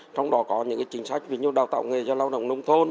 trong đó có những chính sách về nhiều đào tạo nghề cho lao động nông thôn